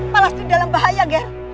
palastri dalam bahaya ger